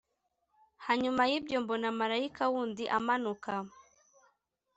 Hanyuma y’ibyo mbona marayika wundi amanuka